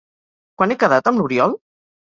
Quan he quedat amb l'Oriol?